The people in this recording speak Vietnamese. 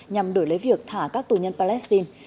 nhằm đổi lấy việc thả các tù nhân palestine